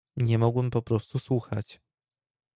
"Nie mogłem poprostu słuchać."